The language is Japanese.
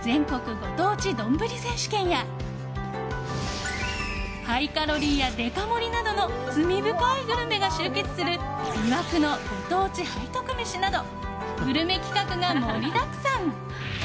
ご当地どんぶり選手権やハイカロリーやデカ盛りなどの罪深いグルメが集結する魅惑のご当地背徳めしなどグルメ企画が盛りだくさん。